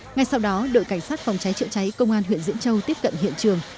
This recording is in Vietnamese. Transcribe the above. ngay sau đó đội cảnh sát phòng cháy chữa cháy công an huyện diễn châu tiếp cận hiện trường